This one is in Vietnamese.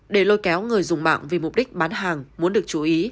để lôi kéo người dùng mạng vì mục đích bán hàng muốn được chú ý